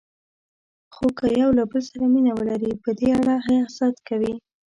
خو که یو له بل سره مینه ولري، په دې اړه حسد کوي.